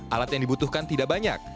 alat yang dibutuhkan tidak banyak